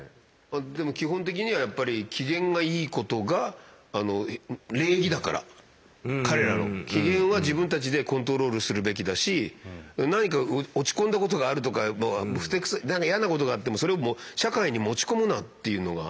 でも基本的にはやっぱり機嫌がいいことがあの礼儀だから彼らの。機嫌は自分たちでコントロールするべきだし何か落ち込んだことがあるとかもうあのふて腐何か嫌なことがあってもそれをもう社会に持ち込むなっていうのが。